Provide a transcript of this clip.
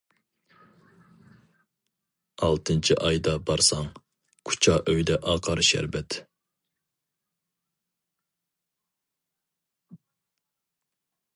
ئالتىنچى ئايدا بارساڭ، كۇچا ئۆيدە ئاقار شەربەت.